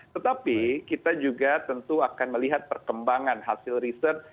tetapi kita juga tentu akan melihat perkembangan hasil riset